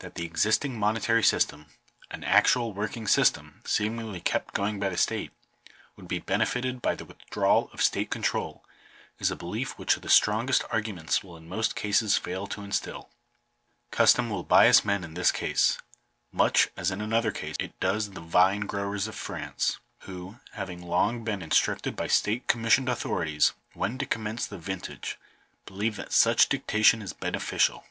That the existing monetary system — an actual working system, seemingly kept going by the state — would be benefited by the withdrawal of state control, is a belief which the strongest arguments will in most cases fail to instil. Cus tom will bias men in this case, much as in another case it does the vine growers of France, who, having long been instructed by state commissioned authorities when to commence the vin tage, believe that such dictation is beneficial.